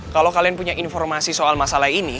kalau kalian punya informasi soal masalah ini